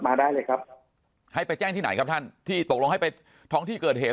มาได้เลยครับให้ไปแจ้งที่ไหนครับท่านที่ตกลงให้ไปท้องที่เกิดเหตุ